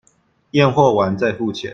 驗貨完再付錢